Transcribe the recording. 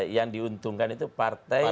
yang diuntungkan itu partai